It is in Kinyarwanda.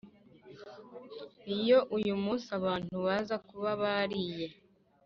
Iyo uyu munsi abantu baza kuba bariye